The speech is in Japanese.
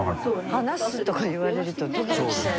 「話す？」とか言われるとドキドキしちゃう。